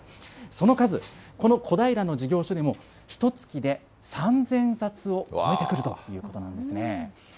その数、この小平の事業所でもひとつきで３０００冊を超えてくるということなんですね。